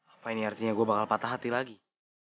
apa ini artinya gue bakal patah hati lagi